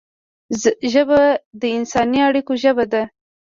ژبه د انساني اړیکو ژبه ده